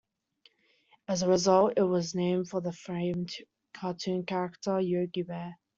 As a result, it was named for the famed cartoon character Yogi Bear.